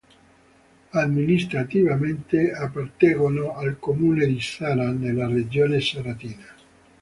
Amministrativamente appartengono al comune di Zara, nella regione zaratina.